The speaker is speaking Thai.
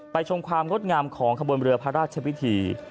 ชมความงดงามของขบวนเรือพระราชพิธี